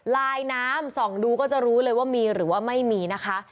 ลายน้ำส่องดูก็จะรู้เลยว่ามีหรือว่าไม่มีนะคะ